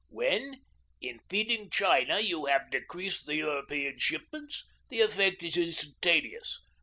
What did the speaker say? When in feeding China you have decreased the European shipments, the effect is instantaneous.